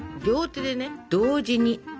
両手でね同時に。